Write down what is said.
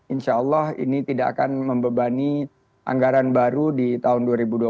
insyaallah ini tidak akan membebani anggaran baru di tahun dua ribu dua puluh empat